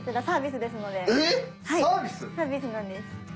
サービスなんです。